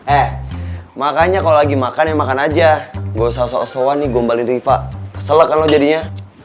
eh makanya kalo lagi makan ya makan aja gak usah sok sokan nih gombalin riva kesel kan lo jadinya